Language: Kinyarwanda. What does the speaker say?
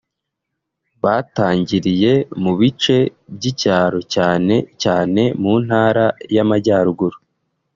Batangiriye mu bice by’icyaro cyane cyane mu Ntara y’Amajyaruguru